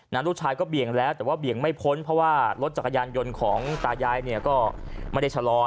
ลูกชายก็เบี่ยงแล้วแต่ว่าเบี่ยงไม่พ้นเพราะว่ารถจักรยานยนต์ของตายายเนี่ยก็ไม่ได้ชะลอ